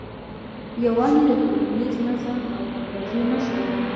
یووالی د ټولنیز نظم او همغږۍ نښه ده.